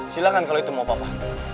silahkan kalau itu mau papa